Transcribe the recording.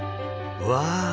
うわ！